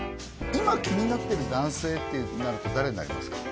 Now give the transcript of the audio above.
今気になってる男性ってなると誰になりますか？